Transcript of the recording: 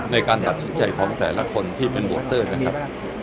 ในการตัดสินใจของแต่ละคนที่เป็นโวเตอร์นะครับ